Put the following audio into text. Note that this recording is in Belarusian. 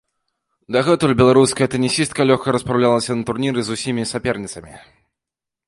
Дагэтуль беларуская тэнісістка лёгка распраўлялася на турніры з усімі саперніцамі.